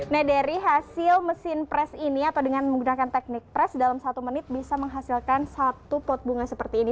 nah dari hasil mesin pres ini atau dengan menggunakan teknik pres dalam satu menit bisa menghasilkan satu pot bunga seperti ini